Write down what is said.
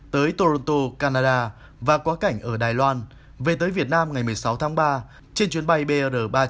tới toronto canada và qua cảnh ở đài loan về tới việt nam ngày một mươi sáu tháng ba trên chuyến bay br ba trăm chín mươi năm số ghế sáu g của hãng hàng không evae